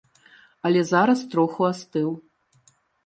Але зараз троху астыў.